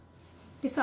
でさ